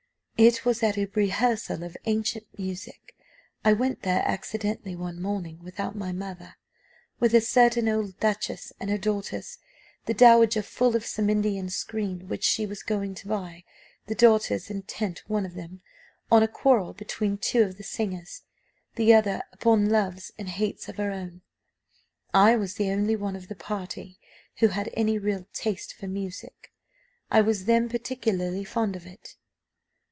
"It was at a rehearsal of ancient music; I went there accidentally one morning without my mother, with a certain old duchess and her daughters; the dowager full of some Indian screen which she was going to buy; the daughters, intent, one of them, on a quarrel between two of the singers; the other upon loves and hates of her own. I was the only one of the party who had any real taste for music. I was then particularly fond of it.